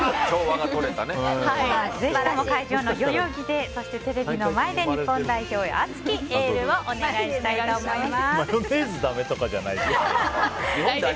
ぜひとも会場でそして、テレビの前で日本代表へ熱きエールをお願いしたいと思います。